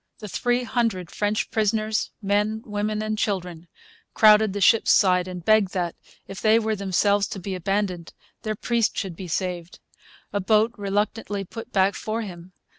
The three hundred French prisoners, men, women, and children, crowded the ship's side and begged that, if they were themselves to be abandoned, their priest should be saved. A boat reluctantly put back for him.